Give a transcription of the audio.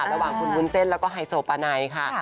ระหว่างคุณวุ้นเส้นแล้วก็ไฮโซปาไนค่ะ